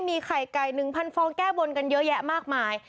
มีไข่ไก่๑๐๐ฟองแก้บนกันเยอะแยะมากมาย